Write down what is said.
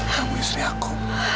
kamu istri aku